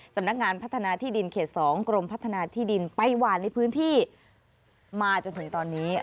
สำนักงานพัฒนาที่ดินเขต๒กรมพัฒนาที่ดินไปหวานในพื้นที่มาจนถึงตอนนี้